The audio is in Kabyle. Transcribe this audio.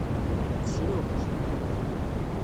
Ssruɣ-tt.